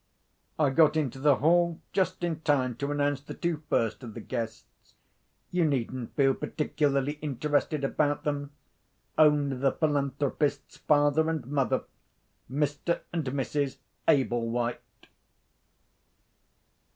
I got into the hall just in time to announce the two first of the guests. You needn't feel particularly interested about them. Only the philanthropist's father and mother—Mr. and Mrs. Ablewhite.